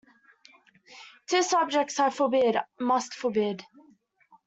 Two subjects I forbid — must forbid.